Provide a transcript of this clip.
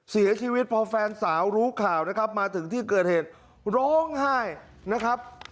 เสียชีวิตพอแฟนสาวรู้ข่าวนะครับมาถึงที่เกิดเหตุร้องไห้นะครับ